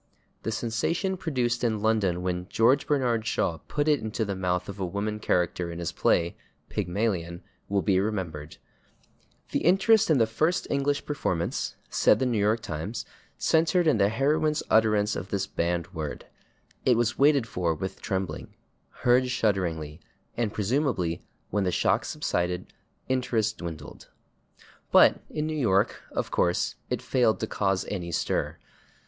The sensation produced in London when George Bernard Shaw put it into the mouth of a woman character in his play, "Pygmalion," will be remembered. "The interest in the first English performance," said the /New York Times/, "centered in the heroine's utterance of this banned word. It was waited for with trembling, heard shudderingly, and presumably, when the shock subsided, interest dwindled." But in New York, of course, it failed to cause any stir.